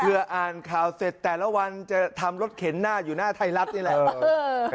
เพื่ออ่านข่าวเสร็จแต่ละวันจะทำรถเข็นหน้าอยู่หน้าไทยรัฐนี่แหละ